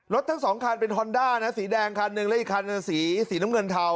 ทั้งสองคันเป็นฮอนด้านะสีแดงคันหนึ่งและอีกคันสีน้ำเงินเทา